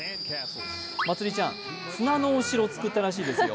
まつりちゃん、砂のお城を作ったらしいですよ。